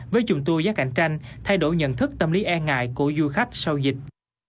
với chùm tour giá cạnh tranh thay đổi nhận thức tâm lý e ngại của du khách sau dịch